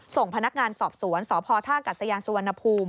ส่งพนักงานสอบสวนสพท่ากัศยานสุวรรณภูมิ